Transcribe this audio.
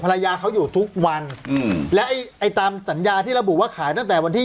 ภรรยาเขาอยู่ทุกวันอืมแล้วไอ้ไอ้ตามสัญญาที่ระบุว่าขายตั้งแต่วันที่